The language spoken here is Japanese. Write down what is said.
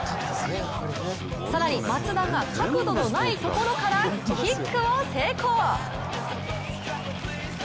更に松田が角度のないところからキックを成功！